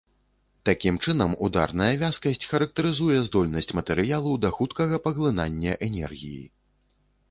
Такім чынам, ударная вязкасць характарызуе здольнасць матэрыялу да хуткага паглынання энергіі.